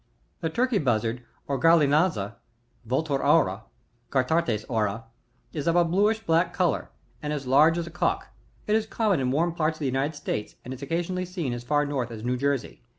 [ The Turkey Buzzard, or GuUinaza, — Vul/ur aura^ — Cathartes aura, — is of a bluish black colour, and as large as a cock. It is common in warm parts of the United States, and is occasionally seen as tar north as IVew Jersey.